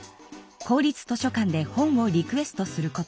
公立図書館で本をリクエストすること。